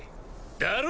だろ？